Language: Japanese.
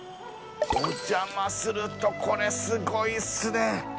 お邪魔するとこれすごいですね。